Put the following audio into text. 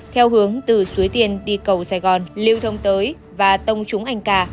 theo hướng từ suối tiên đi cầu sài gòn lưu thông tới và tông trúng anh cà